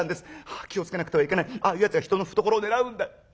『気を付けなくてはいけないああいうやつが人の懐を狙うんだ』。